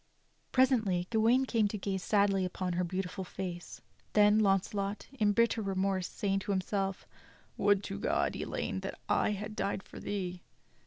Presently Gawain came to gaze sadly upon her beautiful face; then Launcelot, in bitter remorse saying to himself : "Would to God, Elaine, that I had died for thee."